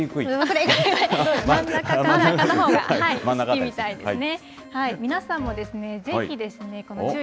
真ん中のほうが好きみたいですね。